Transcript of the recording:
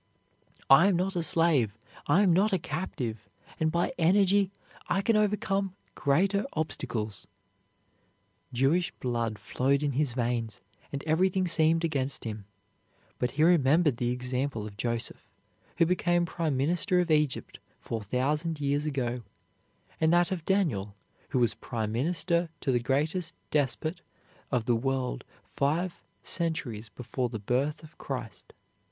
"I am not a slave, I am not a captive, and by energy I can overcome greater obstacles." Jewish blood flowed in his veins and everything seemed against him, but he remembered the example of Joseph, who became Prime Minister of Egypt four thousand years before, and that of Daniel, who was Prime Minister to the greatest despot of the world five centuries before the birth of Christ.